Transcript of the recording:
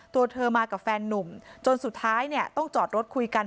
ตัวเธอมากับแฟนนุ่มจนสุดท้ายเนี่ยต้องจอดรถคุยกัน